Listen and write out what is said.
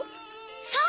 そう！